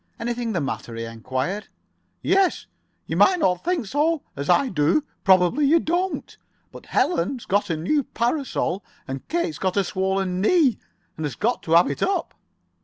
"Anything the matter?" he enquired. "Yes. You might not think so. As I do, probably you wouldn't. But Ellen's got a new parasol, and Kate's got a swollen knee, and has got to have it up."